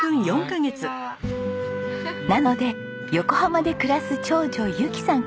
なので横浜で暮らす長女侑希さん